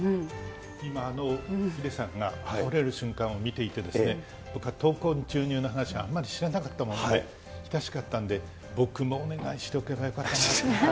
今のヒデさんが倒れる瞬間を見ていて、僕は闘魂注入の話、あまり知らなかったもんで、親しかったので、僕もお願いしとけばよかったなと。